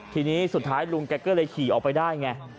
ทีนี้สุดท้ายลุงแกก็เลยขี่ออกไปได้ไง